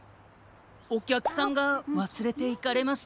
おきゃくさんがわすれていかれました。